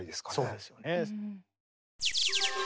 そうですよね。